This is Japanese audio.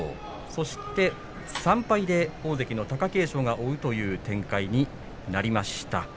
そして３敗で大関の貴景勝が追うという展開になりました。